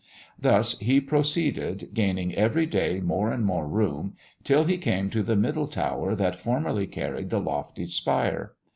Thus he proceeded, gaining every day more and more room, till he came to the middle tower that formerly carried the lofty spire.